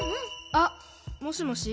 あっもしもし。